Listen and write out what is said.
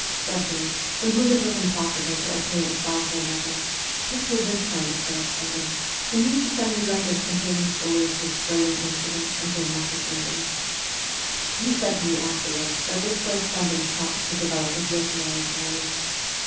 Serghei, from whom it was impossible to obtain a cipher letter, took to this kind of correspondence, and used to send me letters containing stories with thrilling incidents and dramatic endings. He said to me afterward that this correspondence helped to develop his literary talent.